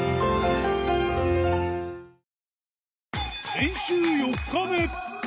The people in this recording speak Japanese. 練習４日目。